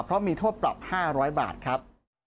เพราะมีโทษปรับ๕๐๐บาทครับ